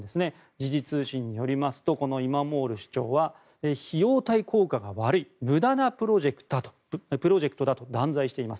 時事通信によりますとイマモール市長は費用対効果が悪い無駄なプロジェクトだと断罪しています。